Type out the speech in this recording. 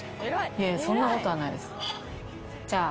いやそんなことはないです。